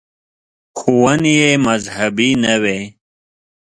• ښوونې یې مذهبي نه وې.